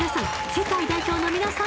世界代表のみなさん